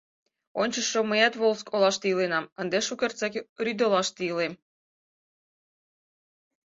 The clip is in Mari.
— Ончычшо мыят Волжск олаште иленам, ынде шукертсек рӱдолаште илем.